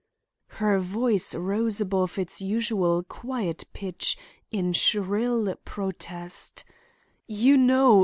Her voice rose above its usual quiet pitch in shrill protest: "You know!